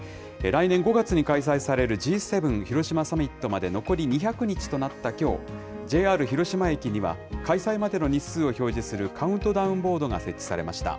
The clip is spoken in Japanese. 来年５月に開催されるＧ７広島サミットまで残り２００日となったきょう、ＪＲ広島駅には、開催までの日数を表示するカウントダウンボードが設置されました。